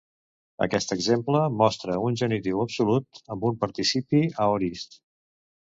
Aquest exemple mostra un genitiu absolut amb un participi aorist.